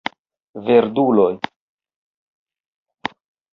Verduloj